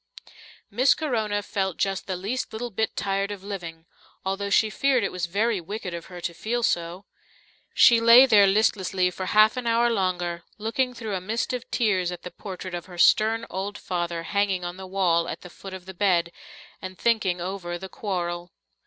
Miss Corona felt just the least little bit tired of living, although she feared it was very wicked of her to feel so. She lay there listlessly for half an hour longer, looking through a mist of tears at the portrait of her stern old father hanging on the wall at the foot of the bed, and thinking over the Quarrel.